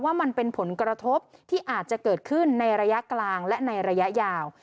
ว่ามันเป็นผลกระทบที่อาจจะเกิดขึ้นในระยะกลางและในระยะยาว